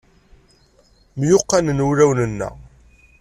Myuqqanen wulawen-nneɣ.